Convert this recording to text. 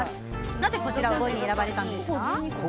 なぜこちらを５位に選ばれたんですか？